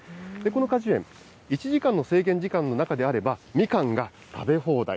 この果樹園、１時間の制限時間の中であれば、みかんが食べ放題。